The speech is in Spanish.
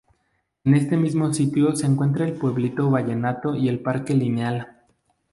En este mismo sitio se encuentran el Pueblito Vallenato y el parque Lineal.